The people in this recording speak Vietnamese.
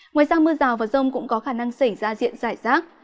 ngoài ra mưa rào và rông cũng có khả năng xảy ra diện giải rác